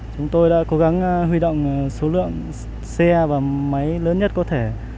chúng tôi đã cố gắng huy động số lượng xe và máy lớn nhất có thể